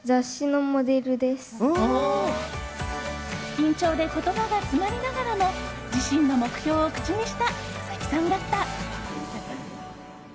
緊張で言葉が詰まりながらも自身の目標を口にした佐々木さんだった。